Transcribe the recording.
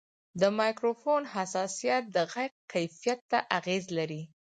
د مایکروفون حساسیت د غږ کیفیت ته اغېز لري.